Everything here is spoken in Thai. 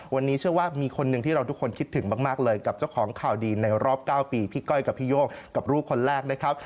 วันนี้เชื่อว่ามีคนหนึ่งที่เราทุกคนคิดถึงมากเลยกับเจ้าของข่าวดีในรอบ๙ปีพี่ก้อยกับพี่โย่งกับลูกคนแรกนะครับ